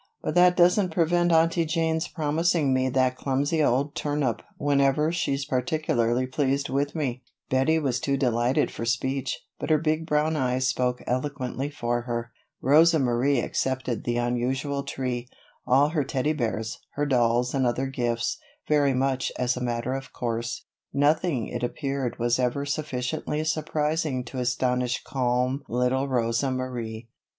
But that doesn't prevent Aunty Jane's promising me that clumsy old turnip whenever she's particularly pleased with me." Bettie was too delighted for speech. But her big brown eyes spoke eloquently for her. Rosa Marie accepted the unusual tree, all her Teddy bears, her dolls and other gifts, very much as a matter of course. Nothing it appeared was ever sufficiently surprising to astonish calm little Rosa Marie.